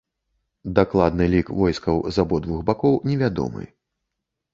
Дакладны лік войскаў з абодвух бакоў невядомы.